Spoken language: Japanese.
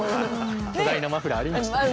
巨大なマフラーありましたね。